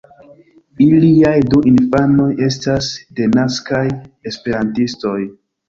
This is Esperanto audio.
Iliaj du infanoj estas denaskaj esperantistoj.